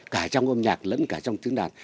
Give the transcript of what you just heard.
cả trong âm nhạc lẫn cả trong tiếng đàn